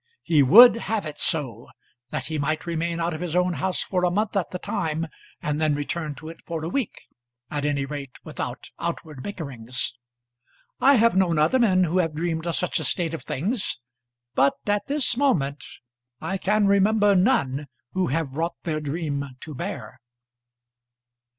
He would have it so, that he might remain out of his own house for a month at the time and then return to it for a week at any rate without outward bickerings. I have known other men who have dreamed of such a state of things, but at this moment I can remember none who have brought their dream to bear.